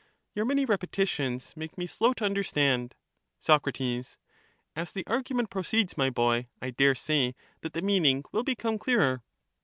Your many repetitions make me slow to understand. Soc. As the argument proceeds, my boy, I dare say that 54 the meaning will become clearer.